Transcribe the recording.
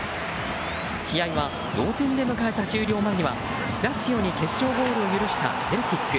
試合は同点で迎えた終了間際ラツィオに決勝ゴールを許したセルティック。